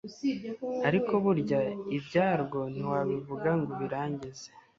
ariko burya ibyarwo ntiwabivuga ngo ubirangize.